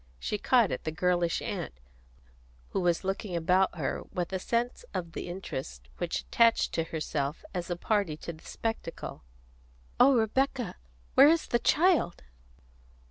She caught at the girlish aunt, who was looking about her with a sense of the interest which attached to herself as a party to the spectacle. "Oh, Rebecca, where is the child?"